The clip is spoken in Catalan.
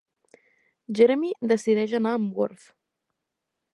Jeremy decideix anar amb Worf.